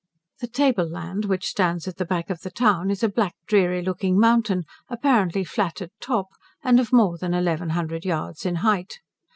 The table land, which stands at the back of the town, is a black dreary looking mountain, apparently flat at top, and of more than eleven hundred yards in height.